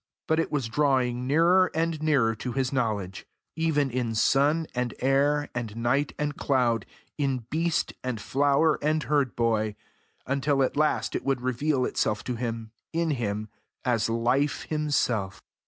But it was drawing nearer and nearer to his knowledge even in sun and air and night and cloud, in beast and flower and herd boy, until at last it would reveal itself to him, in him, as Life Himself.